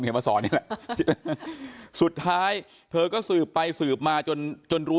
มาสอนนี่แหละสุดท้ายเธอก็สืบไปสืบมาจนจนรู้